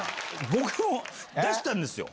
僕も出したんですよ。